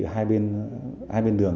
ở hai bên đường